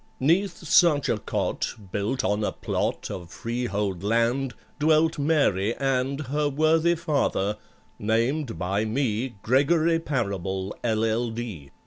'Neath such a cot, built on a plot Of freehold land, dwelt MARY and Her worthy father, named by me GREGORY PARABLE, LL.D.